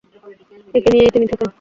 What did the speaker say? একে নিয়েই তিনি থাকেন।